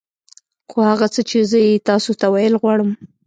خو هغه څه چې زه يې تاسو ته ويل غواړم.